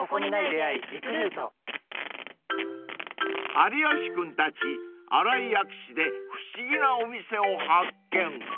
［有吉君たち新井薬師で不思議なお店を発見］